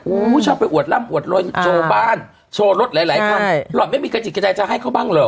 อู้ชอบไปอวดลำอวดเว้นจูบ้านโชว์รถหลายหลายรอกไม่มีกระจิดกระจายจะให้เค้าบ้างหรอ